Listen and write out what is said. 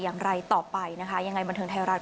อย่างไรต่อไปนะคะยังไงบันเทิงไทยรัฐ